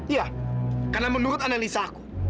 iya karena menurut analisa aku